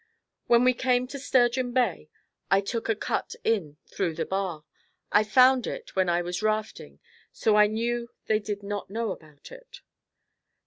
When we came to Sturgeon Bay, I took a cut in through the bar. I had found it when I was rafting so I knew they did not know about it.